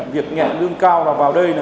việc nghẹn lương cao vào đây